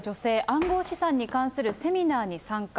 暗号資産に関するセミナーに参加。